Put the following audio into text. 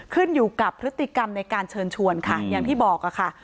ขึ้นอยู่กับพฤติกรรมในการเชิญชวนค่ะอย่างที่บอกค่ะ